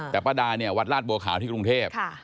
แต่ป้าดาเนี่ยวัดราชบัวขาวที่กรุงเทพ